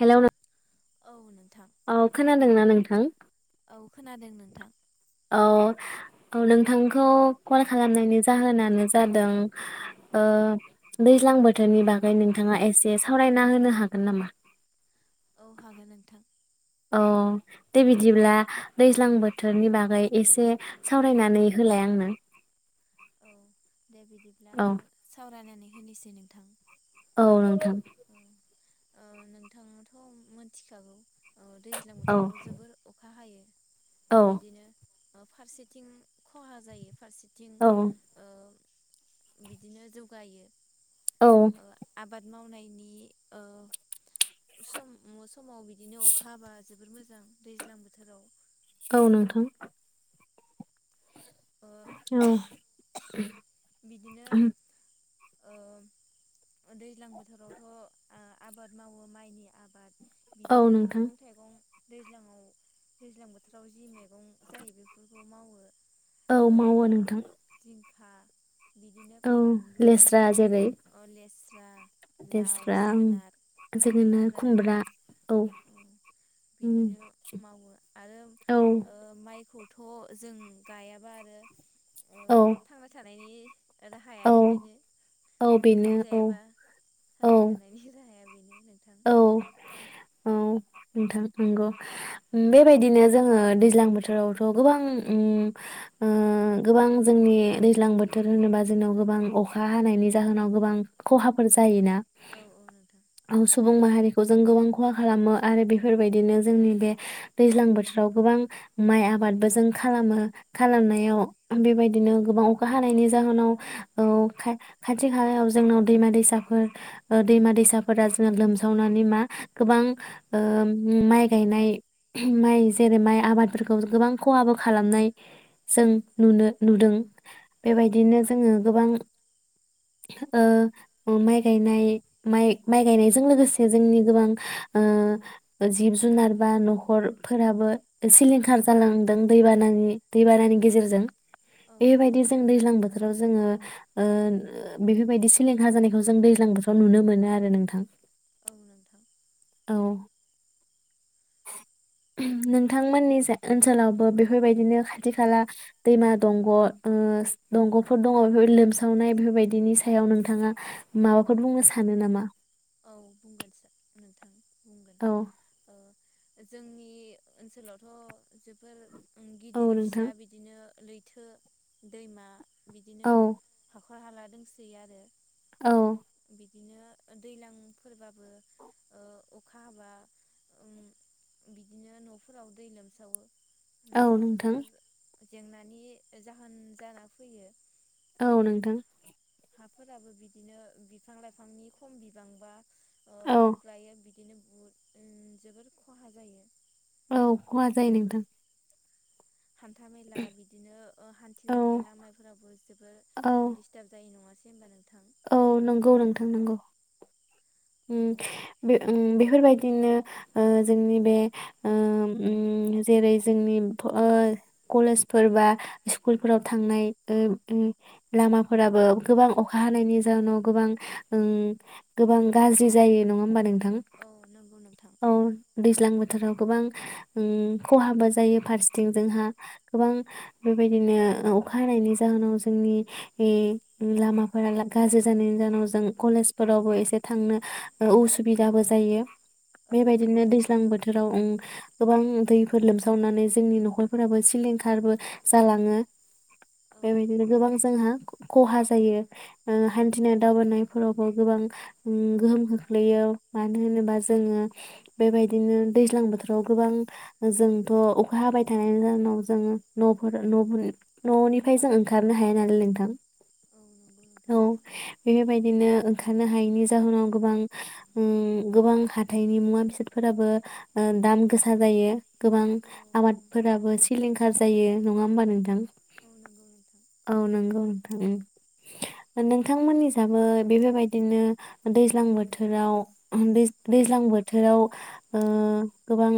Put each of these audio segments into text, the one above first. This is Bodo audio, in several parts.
हेल' नों औ नोंथां औ खोनादोंना नोंथां औ खोनादों नोंथां औ औ नोंथांखौ कल खालामनायनि जाहोनानो जादों ओ दैज्लां बोथोरनि बागै नोंथाङा एसे सावरायना होनो हागोन नामा औ हागोन नोंथां औ दे बिदिब्ला दैज्लां बोथोरनि बागै एसे सावरायनानै होलाय आंनो औ दे बिदिब्ला औ आंबो सावरायनानै हिनिसै नोंथां औ नों थां औ नोंथांआथ' मोनथिखागौ औ दैज्लां औ बोथोराव जोबोर अखा हायो औ बिदिनो ओ फारसेथिं खहा जायो फारसे थिं औ ओ बिदिनो जौगायो औ मावनाय नि ओ सम मस समाव बिदिनो अखा हाबा जोबोर मोज जां दैज्लां बोथोराव औ नोंथां ओ औ बिदिनो ओम दैज्लां बोथोरावथ' आबाद मावो माइनि आबाद औ बिदिनो नोंथां मैगं थाइगं दैज्लांआव दैज्लां बोथोराव जि मे गं जायो बेफोरखो खौ मावो औ मावो नोंथां हा बिदिनो औ बानलु लेस्रा जेरै अ लेस्रा लाव लेस्रा जोगोनार खुमब्रा औ अ उम बिदिनो मावो आरो औ ओ माइखौयं मदर थ' जों गायाबा आरो ओ औ थानायनि औ राहायानो बिनो औ बेनो औ औ थांना थानायनि राहाया बेनो नोंथां औ औ नोंथां नंगौ बेबायदिनो जोङो दैज्लां बोथोरावथ' गोबां उम ओ गोबां जोंनि दैज्लां बोथोर होनोबा जोंनाव गोबां अखा हानायनि जाहोनाव गोबां खहाफोर जायोना औ औ नोंथां औस माहारिखौ जों गोबां खहा खालामो आरो बेफोरबायदिनो जोंनि बे दैज्लां बोथोराव गोबां माइ आबादबो जों खालामो औ खालामनायाव बेबायदि बिदिनो गोबां अखा हानायनि जाहोनाव ओ खाथि खाायाव जोंनाव दैमा दैसाफोर ओ दैमा दैसाफोरा लोमसावनानै मा गोबां ओ माइ गायनाय माइ जेरै माइ आबादफोरखौ गोबां खहाबो खालामनाय जों नुनो नुदों औ बेबायदिनो जोङो गोबां ओ माइ गायनाय माइ माइ गायनाय जों लोगोसे जोंनि गोबां ओ जिब जुनार बा न'खरफोराबो सिलिंखार जालांदों दैबानानि दैबानानि गेजेरजों औ बेबायदि नोंथां जों दैज्लां बोथोराव जोङो ओ बेफोरबायदि सिलिंखार जानायखौ जों दैज्लां बोथोराव नुनो मोनो आरो नोंथां औ नोंथां औ नोंथांमोननि जाय ओनसोलावबो बेफोरबायदिनो खाथि खाला दैमा दंग' ओ दंग'फोर दङ बेफोरबाय लोमसावनाय बेफोरबायदिनि सायाव नोंथाङा माबाफोर बुंनो सानो नामा औ बुंगोनसो नोंथां बुंगोन औ जोंनि ओनसोलावथ' जोबोर औ गिदिर नोंथां फिसा बिदिनो लैथो दैमा औ बिदिनो हाखर हर हाला दोंसै आरो औ बिदिनो दैज्लांफोरबाबो ओ अखा हाबा बिदिनो न'फोराव दै लोमसावो औ न'फोराव नोंथां जोबोर जेंनानि जाहोन जाना फैयो औ नोंथां हाफोराबो बिदिनो बिफां लाइफांनि खम बिबांबा ओ औ खुख्लायो बिदिनो बहुद जोबोर खहा जायो औ खहा जायो नोंथां हान्था मेला बिदिनो ओ औ हान्थिलांनाय लामाफोरावबो जोबोद औ दिडिस्टार्ब जायो नङासै [unintelligible] औ नंगौ नोंथां नंगौ उम बे उम बेफोरबायदिनो ओ जोंनि बे ओ उम जेरै जोंनि ओ कलेजफोर बा स्कुलफोराव थांनाय ओ ओ लामाफोराबो गोबां अखा हानायनि जाउनाव गोबां उम गोबां गाज्रि जायो नङा होमबा नोंथां औ नंगौ नोंथां औ दैज्लां बोथोर फोथोराव गोबां उम खहाबो जायो फारसेथिं जोंहा गोबां बेबायदिनो ओ अखा हानायनि जाहोनाव जोंनि लामाफोरा गाज्रि जानायनि जाहोनाव जों कलेजफोरावबो एसे थांनो ओ उसुबिदाबो जायो औ औ बेबायदिनो नोंथां दैज्लां बोथोराव गोबां दैफोर लोमसावनानै जोंनि न'खरफोराबो सिलिंखारबो जालाङो औ बेबायदिनो गोबां जोंहा खहा जायो ओ औ हान्थिनाय दावबायनायफोरावबो गोबां उम गोहोम खोख्लैयो मानो होनोबा जोङो बेबायदिनो दैज्लां बोथोराव गोबां जोंथ' अखा हाबाय थानायनि जाहनाव जोङो न'फोर न'निफ्राय जों ओंखारनो हाया नालाय नोंथां औ नंगौ नोंथां औ बेबायदिनो ओंखारनो हायैनि जाहोनाव गोबां उम गोबां हाथाइनि मुवा बेसादफोराबो ओ दाम गोसा जायो गोबां औ आबादफोराबो सिलिंखार जायो नङा होमबा नोंथां औ नंगौ नोंथां औ नंगौ नोंथांमोननि जाबो बेफोरबायदिनो दैज्लां बोथोराव दैज्लां दैज्लां बोथोराव ओ गोबां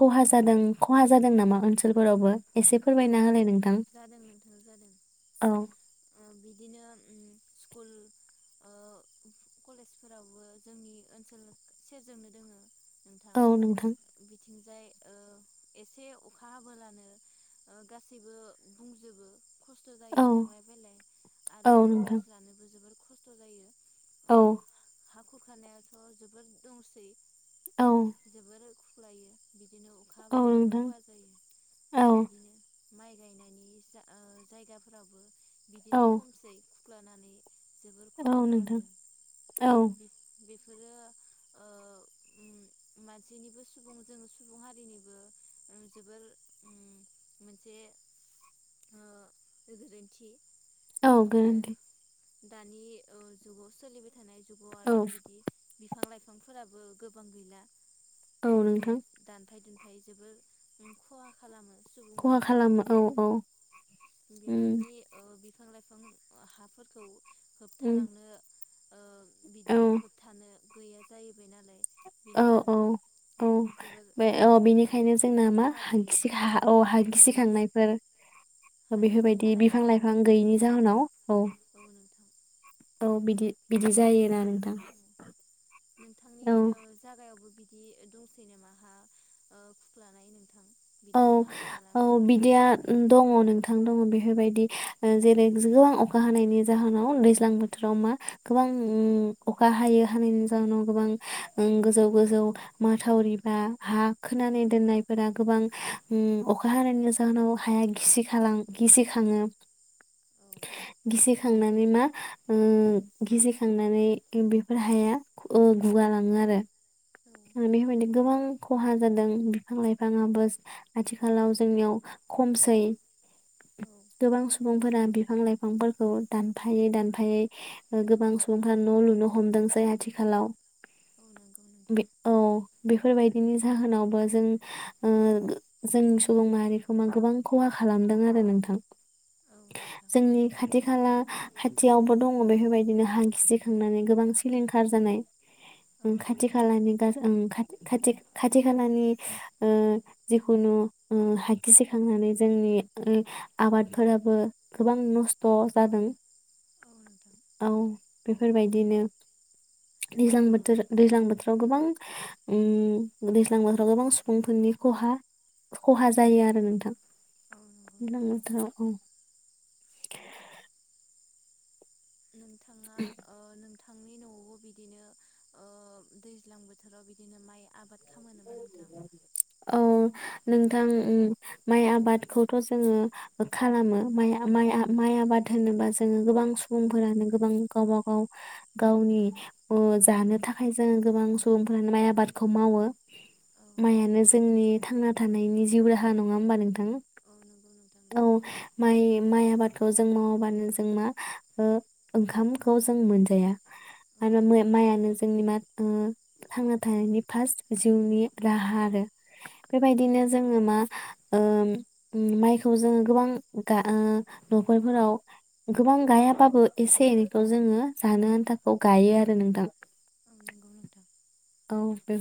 खहा जादों खहा जादों नामा ओनसोलफोरावबो एसे अ फोरमायना होलाय नोंथां जादों नोंथां जादों औ बिदिनो उम स्कुल ओ कलेजफोरावबो जोंनि ओनसोल सेरजोंनो दोङो नोंथां औ नोंथां बि जाय ओ एसे अखा हाब्लानो ओ गासैबो बुंजोबो खस्थ' औ जायो थांलाय फैलाय औ आरो नोंथां क्लास लानोबो जोबोर ख खस्थ' जायो ओ औ हा खुरखानायाथ' जोबोर दंसै औ [unintelligible] बिदिनो अखा हाबा औ जोबोर नोंथां खहा औ जायो माइ गायनायनि जा जायगाफोरावबो औ बिदिनो खमसै [inaudible] जोबोर खहा औ नोंथां खालामदों औ [unintelligible] बेफोरो ओ उम मानसिनिबो सुबुं जो सुबुं हारिनिबो जोबोर मोनसे ओ गोरोन्थि औ ओ गोरोन्थि दानि ओ जुगाव सोलिबाय थानाय जुगाव औ आरो बिदि बिफां लाइफां बिफांफोराबो गोबां गैला औ बिदिनो नोंथां दानफाय दो ओमफ्राय जोबोर खहा खालामो खहा सुबुङानो खालामो औ औ उम बेफोरनि ओ बिफां लाइफां हाफोरखौ उम होबथालांनो ओ औ बिदिनो होबथानो गैया जायो औ औ औ जोबोर बे औ बेनिखायनो जोंना मा खहा जायो गिसि हा‌ औ बहा औ गिसि खांनायफोर हा बेफोरबायदि बिफां गिसिखानायफोराबो लाइफां खुख्लायो गैयिनि औ जाहोनाव औ औ बिदि बिदि जायो नानो नों औ नोंथांनि ओ जागायावबो बिदि बिदि दंसै नामाहा खुख्लानाय नोंथां औ बिदि हाथाला औ मा खालाय बिदिया दङ नोंथां दंमोन बेफोरबायदि औ जेरै गोबां अखा हानायनि जाहोनाव दैज्लां बोथोराव मा गोबां अखा हायो हानायनि जाहोनाव गोबां गोजौ गोजौ माथावरि बा हा औ खोनानै दोननायफोरा गोबां अखा हानायनि जाहोनाव हाया गिसि गिसि खाङो औ गिसि खांनानै मा ओ गिसि खांनानै बेफोर हाया गुगालाङो आरो [unintelligible] गोबां खहा जादों बिफां लाइफाङाबो आथिखालाव जोंनियाव खमसै गोबां सुबुंफोरा बिफां लाइफांफोरखौ दानफायै दानफायै गोबां सुबुंफोरा न' लुनो हमदोंसै आथिखालाव औ नंगौ बे नोंथां औ बे बेफोरबायदिनि जाहोनावबो जों ओ जों सुबुं माहारिखौ मा गोबां खहा खालामदों आरो नोंथां औ नोंथां जोंनि खाथि खाला खाथियावबो दङ बेफोरबायदिनो हां गिसिखांनानै गोबां सिलिंखार जानाय औ खाथि खालानि ओ खाथि खाथि खालानि ओ जिखुनु हाय गिसेखांनानै ओ जोंनि आबादफोराबो गोबां नस्थ' जादों नोंथां औ बेफोरबायदिनो दैज्लां ओ बोथोर दैज्लां बोथोराव गोबां उम दैज्लां बोथोराव गोबां सुबुंफोरनि खहा खहा जायो आरो नोंथां [unintelligible] औ नंगौ नोंथां नोंथाङा बुं नोंथाङा ओ नों थांनि न'आवबो बिदिनो ओ दैज्लां बोथोराव बिदिनो माइ आबाद खालाम औ नोंथां उम माइ आबादखौथ' जोङो खालामो माइ माइ आबाद होनोबा जोङो गोबां सुबुंफोरानो गोबां गावबाागाव औ गावनि ओ जानो थाखाय जोङो गोबां सुबुंफोरानो माइ आबादखौ मावो औ माइआनो जोंनि थांना थानायनि जिउ राहा नङा होमबा नोंथां औ नंगौ नोंथां औ नंगौ माइ माइ आबादखौ जों मावाबानो जों मा ओ ओंखामखौ जों मोनजाया औ आरो माइआनो जोंनि मा ओ थांना थानायनि फार्स्ट जिउनि राहा आरो औ बेबायदिनो नंगौ जोङो मा माइखौ जोङो गोबां ओ न'खरफोराव गोबां गायाबाबो एसे एनैखौ जोङो जानो आन्थाखौ गायो आरो नोंथां औ नंगौ नोंथां औ बे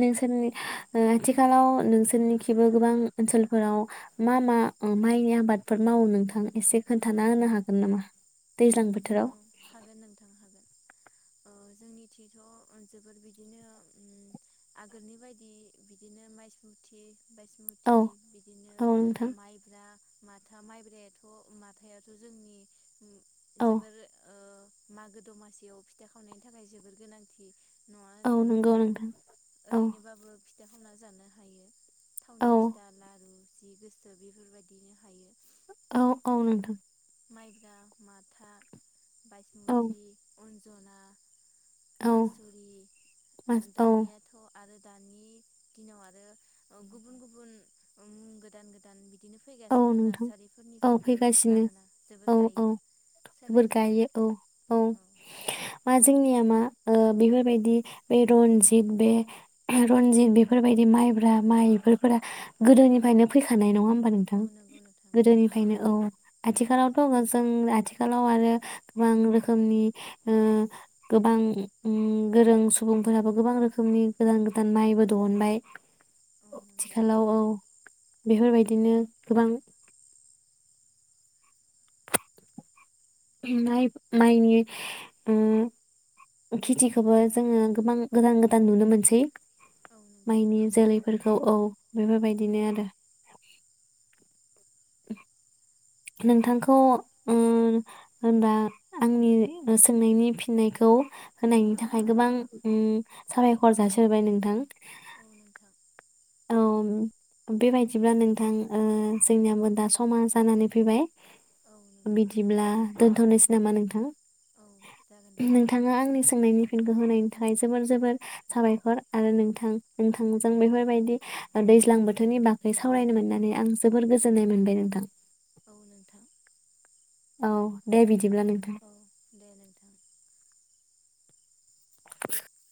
नोंसोरनि ओ आथिखालाव नोंसोरनिखिबो गोबां ओनसोलफोराव मा मा ओ माइनि आबादफोर मावो नोंथां एसे खोन्थाना औ होनो हागोन नामा दैज्लां बोथोराव? औ हागोन नोंथां हागोन जोंनिथिथ' जोबोर बिदिनो आगोलनि बायदि बिदिनो माइसमुथि औ बायसमुथि बिदिनो औ नोंथां माइब्रा माथा माइब्रायाथ' माथायाथ' जोंनि औ जोबोर ओ मागो दमासियाव फिथा खावनायनि थाखाय जोबोर गोनांथि नङा औ होनबा नंगौ नोंथां औ ओरैनोबाबो फिथा खावना जानो हायो औ थावनि फिथा लारु जि गोसो बेफोरबायदिनो हायो। औ औ नोंथां माइब्रा माथा औ बाइसमुथि अन जना औ मासुरि मास औ दानियाथ' आरो दानि दिनाव आरो गुबुन गुबुन उम गोदान गोदान बि बिदिनो औ फैगासिनो नोंथां औ नार्सारिफोरनिफ्रायबो फैगासिनो लाबोना जोबोर औ औ गायो सोलाय [unintelligible] सोलाय गायो औ औ माजो जोंनिया मा ओ बेफोरबायदि बे रनजित बे रनजित बेफोरबायदि माइब्रा माइ बेफोरा गोदोनिफ्रायनो फैखानाय नङा होमबा नोंथां औ नंगौ नोंथां नंगौ गोदोनिफ्रायनो औ आथिखालावथ' जों आथिखालाव आरो गोबां रोखोमनि ओ गोबां गोरों सुबुंफोराबो गोबां रोखोमनि गोदान गोदान माइबो दहनबाय औ नंगौ आथिखालाव औ बेफोरबायदिनो गोबां माइ माइनि उम खेथिखौबो जोङो गोबां गोदान गोदान नुनो मोनसै औ नोंथां माइनि जोलैफोरखौ औ बेफोरबायदिनो आरो [inaudible] नोंथांखौ उम होनबा आंनि सोंनायनि फिननायखौ होनायनि थाखाय गोबां उम साबायखर जासिहोबाय नोंथां औ नोंथां औ बेबायदिब्ला नोंथां ओ जोंनियाबो दा समा जानानै फैबाय औ नोंथां बिदिब्ला दोनथ'नोसै नामा नोंथां औ जागोन दे नोंथां नोंथाङा आंनि सोंनायनि फिन होनायनि थाखाय जोबोर जोबोर साबायखर आरो नोंथां नोंथांजों बेफोरबायदि दैज्लां बोथोरनि बागै सावरायनो मोननानै आं जोबोर गोजोननाय मोनबाय नोंथां औ नोंथां औ दे बिदि औ दे नोंथां [inaudible]